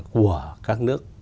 của các nước